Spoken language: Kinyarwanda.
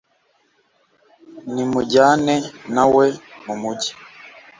nimujyane na we mu mugi